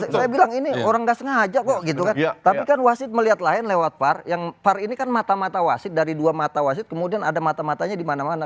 saya bilang ini orang nggak sengaja kok gitu kan tapi kan wasit melihat lain lewat par yang par ini kan mata mata wasit dari dua mata wasit kemudian ada mata matanya di mana mana